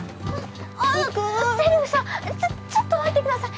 あのせるふさんちょちょっと待ってください。